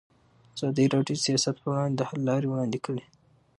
ازادي راډیو د سیاست پر وړاندې د حل لارې وړاندې کړي.